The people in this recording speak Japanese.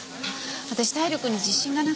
私体力に自信がなくて。